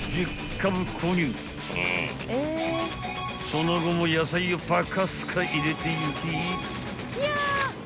［その後も野菜をばかすか入れていき］